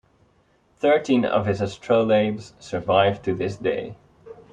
Thirteen of his astrolabes survive to this day.